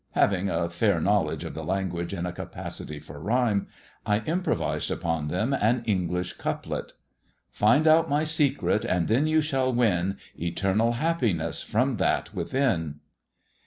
Having a fair knowledge of tba language and a capacity for rhyme, I improvised upon then an English couplet :— "Find out my secret, and you then shall win Eternal happiness from that within."